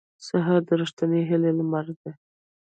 سهار د رښتینې هیلې لمر دی.